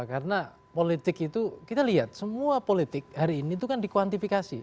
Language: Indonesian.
karena politik itu kita lihat semua politik hari ini itu kan dikuantifikasi